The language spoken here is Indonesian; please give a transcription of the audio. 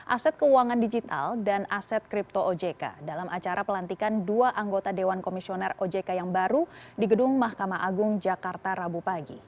aset keuangan digital dan aset kripto ojk dalam acara pelantikan dua anggota dewan komisioner ojk yang baru di gedung mahkamah agung jakarta rabu pagi